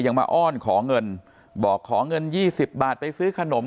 ยังมาอ้อนขอเงินบอกขอเงิน๒๐บาทไปซื้อขนม